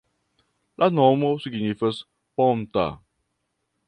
La nomo signifas: ponta.